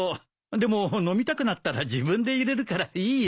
でも飲みたくなったら自分で入れるからいいよ。